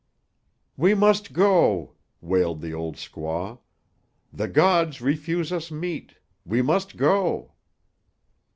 "We must go," wailed the old squaw. "The gods refuse us meat. We must go."